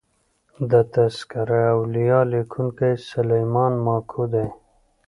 " تذکرة الاولیا" لیکونکی سلیمان ماکو دﺉ.